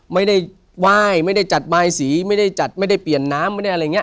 ไม่ได้ไหว้ไม่ได้จัดบายสีไม่ได้จัดไม่ได้เปลี่ยนน้ำไม่ได้อะไรอย่างนี้